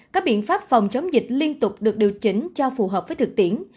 các biện pháp phòng chống dịch liên tục được điều chỉnh cho phù hợp với thực tiễn